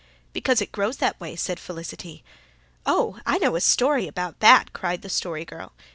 "Because it grows that way," said Felicity. "Oh I know a story about that," cried the Story Girl.